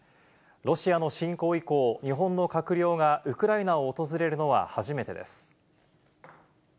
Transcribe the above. ロシアの侵攻以降、日本の閣僚がウクライナを訪れるのは初めてです。